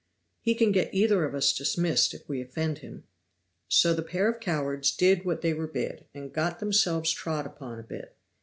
"He can get either of us dismissed if we offend him." So the pair of cowards did what they were bid and got themselves trod upon a bit.